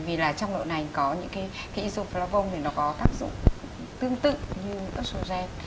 vì là trong đậu nành có những cái isoflavone thì nó có tác dụng tương tự như estrogen